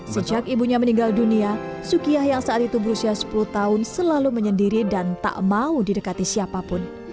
sejak ibunya meninggal dunia sukiyah yang saat itu berusia sepuluh tahun selalu menyendiri dan tak mau didekati siapapun